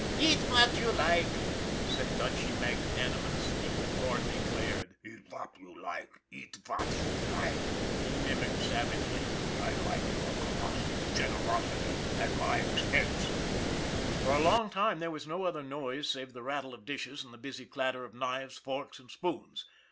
" Eat vat you like," said Dutchy magnanimously. Thornley glared. " Eat vat you like ! Eat vat you like !" he mimicked savagely. " I like your colossal generosity at my expense !" 306 ON THE IRON AT BIG CLOUD For a long time there was no other noise save the rattle of dishes and the busy clatter of knives, forks, and spoons.